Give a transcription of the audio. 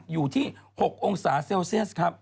อยู่ที่๖องศาเซลเซียสครับ